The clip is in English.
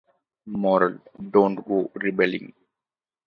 Moral — don’t go rebelling.